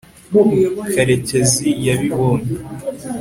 karekezi yabibonye